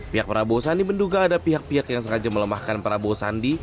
pihak prabowo sandi menduga ada pihak pihak yang sengaja melemahkan prabowo sandi